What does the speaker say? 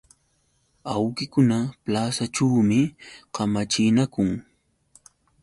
Awkikuna plasaćhuumi kamachinakun.